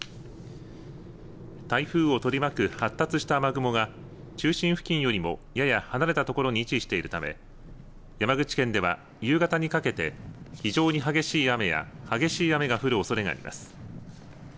台風を取り巻く発達した雨雲が中心付近よりもやや離れたところに位置しているため山口県では夕方にかけて非常に激しい雨や激しい雨が降るおそれがあります。